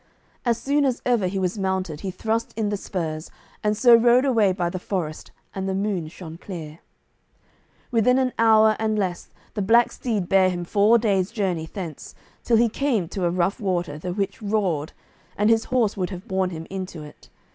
As soon as ever he was mounted he thrust in the spurs, and so rode away by the forest, and the moon shone clear. Within an hour, and less, the black steed bare him four day's journey thence, till he came to a rough water the which roared, and his horse would have borne him into it.